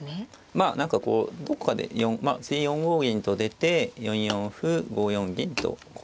まあ何かこうどこかで次４五銀と出て４四歩５四銀とこう。